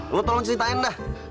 lo tolong ceritain dah